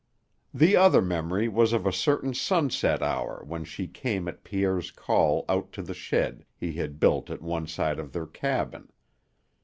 The other memory was of a certain sunset hour when she came at Pierre's call out to the shed he had built at one side of their cabin.